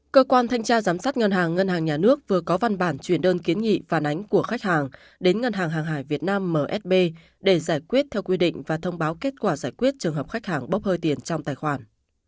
cơ quan thanh tra giám sát ngân hàng ngân hàng nhà nước vừa có văn bản chuyển đơn kiến nghị phản ánh của khách hàng đến ngân hàng hàng hải việt nam msb để giải quyết theo quy định và thông báo kết quả giải quyết trường hợp khách hàng bốc hơi tiền trong tài khoản